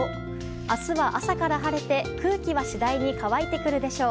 明日は朝から晴れて空気は次第に乾いてくるでしょう。